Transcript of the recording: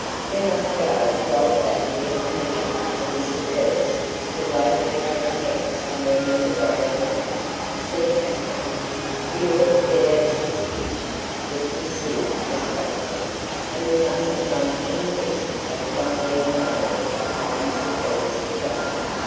"We must go right back and get permission from Mr. Ferris to locate our camp somewhere near the Graham home," said Katherine. "We ought to get our tents pitched just as soon as possible, and we mustn't run any risk of not being able to find Mr. Ferris today."